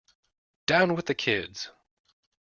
Down with the kids